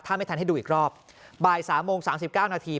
ถ้าไม่ทันให้ดูอีกรอบบ่ายสามโมงสามสิบเก้านาที